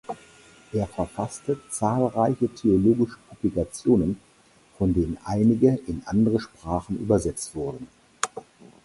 Er verfasste zahlreiche theologische Publikationen, von denen einige in andere Sprachen übersetzt wurden.